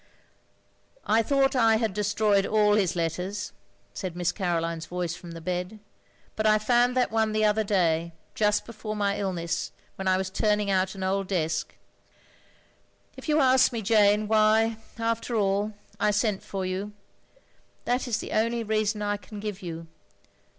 " I thought I had destroyed all his letters, " said Miss Caroline's voice from the bed. " But I found that one the other day, just before my illness, when I was turning out an old desk. If you ask me, Jane, why, after all, I sent for you — that is the only reason I can give you."